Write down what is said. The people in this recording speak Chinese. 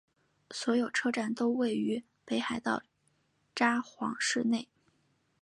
所有车站都位于北海道札幌市内。